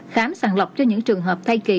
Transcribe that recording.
khám sàng lọc cho những trường hợp thay kỳ